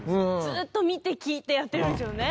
ずっと見て聴いてやってるんでしょうね